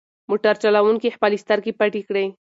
موټر چلونکي خپلې سترګې پټې کړې.